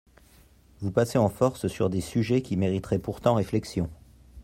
Vous passez en force sur des sujets qui mériteraient pourtant réflexion.